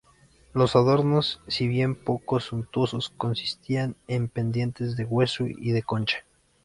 Los adornos si bien poco suntuosos, consistían en pendientes de hueso y de concha.